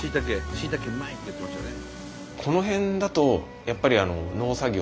しいたけうまいって言ってましたよね。